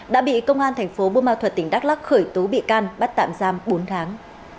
đã bị công an thành phố bô ma thuật tỉnh đắk lắc khởi tố bị can bắt tạm giam bốn tháng